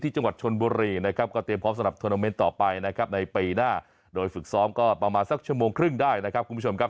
จังหวัดชนบุรีนะครับก็เตรียมพร้อมสำหรับโทรนาเมนต์ต่อไปนะครับในปีหน้าโดยฝึกซ้อมก็ประมาณสักชั่วโมงครึ่งได้นะครับคุณผู้ชมครับ